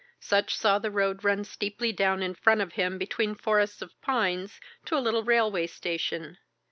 Sutch saw the road run steeply down in front of him between forests of pines to a little railway station.